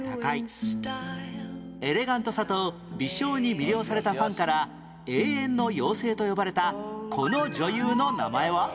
エレガントさと微笑に魅了されたファンから永遠の妖精と呼ばれたこの女優の名前は？